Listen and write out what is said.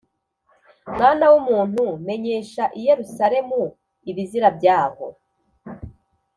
“Mwana w’umuntu, menyesha i Yerusalemu ibizira byaho